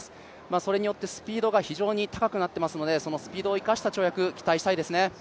それによってスピードが非常に高くなっていますので、スピードを生かした跳躍、期待したいですね。